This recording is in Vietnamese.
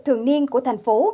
thường niên của thành phố